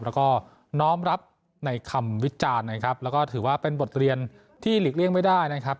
แล้วก็น้อมรับในคำวิจารณ์นะครับแล้วก็ถือว่าเป็นบทเรียนที่หลีกเลี่ยงไม่ได้นะครับ